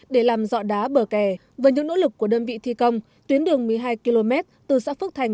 để làm dọ đá bờ kè với những nỗ lực của đơn vị thi công tuyến đường một mươi hai km từ xã phước thành